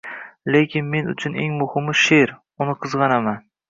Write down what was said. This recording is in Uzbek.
Lekin men uchun eng muhimi – she’r, uni qizg‘anaman.